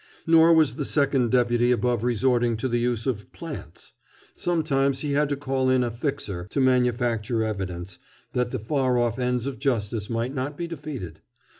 Nor was the Second Deputy above resorting to the use of "plants." Sometimes he had to call in a "fixer" to manufacture evidence, that the far off ends of justice might not be defeated.